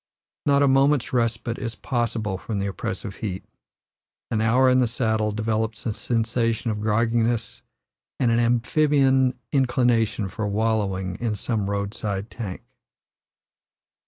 Not a moment's respite is possible from the oppressive heat; an hour in the saddle develops a sensation of grogginess and an amphibian inclination for wallowing in some road side tank.